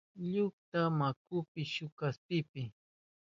Iluta wankunki shuk kaspipi.